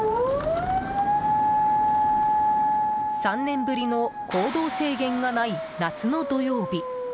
３年ぶりの行動制限がない夏の土曜日。